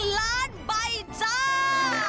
ล้านใบจ้า